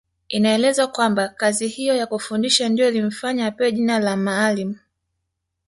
Inaelezwa kwamba kazi hiyo ya kufundisha ndiyo iliyomfanya apewe jina la Maalim